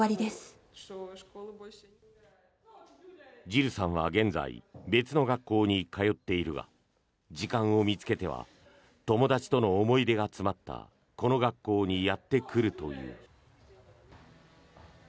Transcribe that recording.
ジルさんは現在別の学校に通っているが時間を見つけては友達との思い出が詰まったこの学校にやってくるという。